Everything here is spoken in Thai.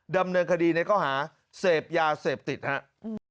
ดำเนินคดีในข้อหาเสพยาเสพติดครับ